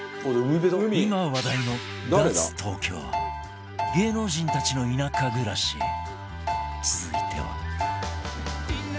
今話題の芸能人たちの田舎暮らし続いては